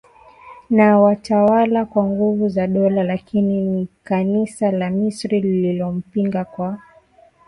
na watawala kwa nguvu za dola Lakini ni Kanisa la Misri lililompinga kwa